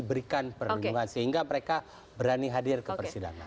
berikan perlindungan sehingga mereka berani hadir ke persidangan